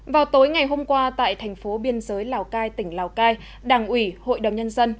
vào tối ngày hôm qua tại thành phố biên giới lào cai tỉnh lào cai đảng ủy hội đồng nhân dân